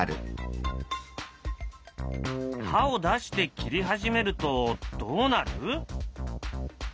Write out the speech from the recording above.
刃を出して切り始めるとどうなる？